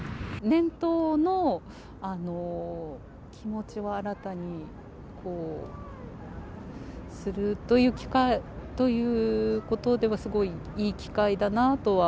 年頭の気持ちを新たにするということでは、すごいいい機会だなとは。